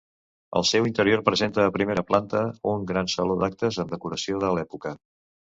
El seu interior presenta, a primera, planta, un gran saló d'actes amb decoració de l'època.